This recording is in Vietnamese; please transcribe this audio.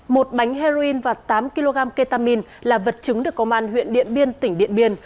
một bánh heroin và tám kg ketamine là vật chứng được công an huyện điện biên tỉnh điện biên